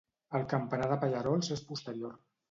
El campanar de Pallerols és posterior.